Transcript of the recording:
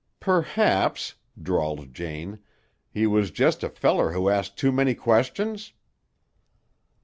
"Perhaps," drawled Jane, "he was just a feller who asked too many questions?"